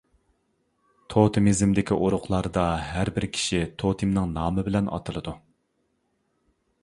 توتېمىزمدىكى ئۇرۇقلاردا ھەر بىر كىشى توتېمنىڭ نامى بىلەن ئاتىلىدۇ.